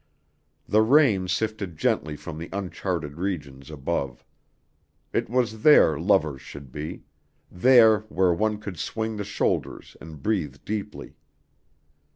The rain sifted gently from the uncharted regions above. It was there lovers should be there where one could swing the shoulders and breathe deeply.